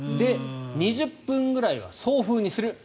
２０分ぐらいは送風にする。